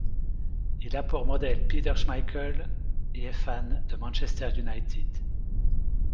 Il a pour modèle Peter Schmeichel, et est fan de Manchester United.